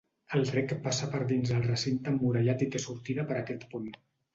El rec passa per dins el recinte emmurallat i té sortida per aquest pont.